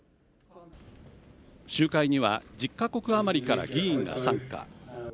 集会には１０か国余りから議員が参加。